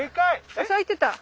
咲いてた！